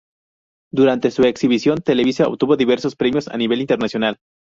Durante su exhibición televisiva obtuvo diversos premios a nivel internacional.